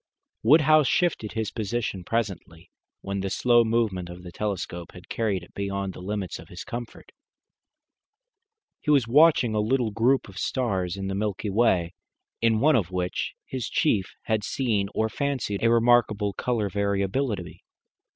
Woodhouse shifted his position presently, when the slow movement of the telescope had carried it beyond the limits of his comfort. He was watching a little group of stars in the Milky Way, in one of which his chief had seen or fancied a remarkable colour variability.